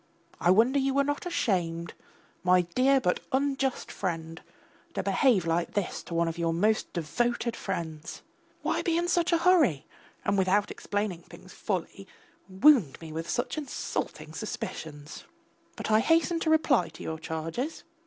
I wonder you were not ashamed, my dear but unjust friend, to behave like this to one of your most devoted friends. Why be in such a hurry, and without explaining things fully, wound me with such insulting suspicions? But I hasten to reply to your charges.